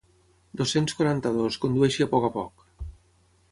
Dos-cents quaranta-dos condueixi a poc a poc.